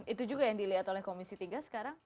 itu juga yang dilihat oleh komisi tiga sekarang